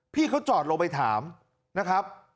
พี่เขาจอดลงไปถามนะครับ